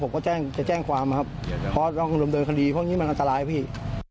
เพราะเรากำลังเดินคดีเพราะงี้มันอันตรายพี่